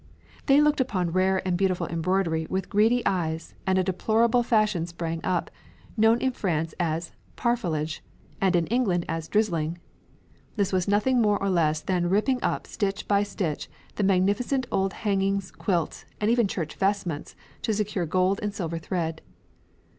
They looked upon rare and beautiful embroidery with greedy eyes, and a deplorable fashion sprang up, known in France as "parfilage" and in England as "drizzling." This was nothing more or less than ripping up, stitch by stitch, the magnificent old hangings, quilts, and even church vestments, to secure gold and silver thread.